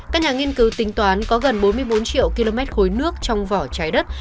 các nhà nghiên cứu tính toán có gần bốn mươi bốn triệu km khối nước trong vỏ trái đất